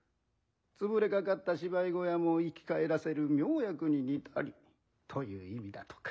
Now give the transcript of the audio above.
潰れかかった芝居小屋も生き返らせる妙薬に似たりという意味だとか。